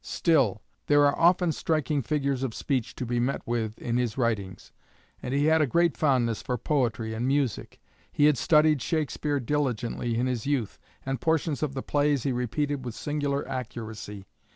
Still, there are often striking figures of speech to be met with in his writings, and he had a great fondness for poetry and music. He had studied Shakespeare diligently in his youth, and portions of the plays he repeated with singular accuracy.